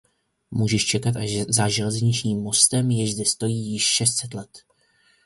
Můžeš čekat až za železničním mostem, jež zde stojí již šest set let.